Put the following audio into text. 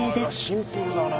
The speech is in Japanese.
シンプルだね。